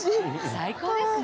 最高ですね。